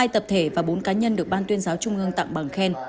hai tập thể và bốn cá nhân được ban tuyên giáo trung ương tặng bằng khen